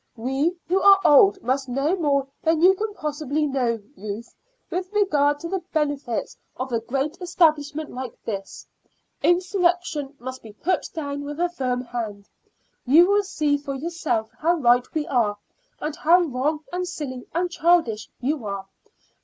We who are old must know more than you can possibly know, Ruth, with regard to the benefits of a great establishment like this. Insurrection must be put down with a firm hand. You will see for yourself how right we are, and how wrong and silly and childish you are.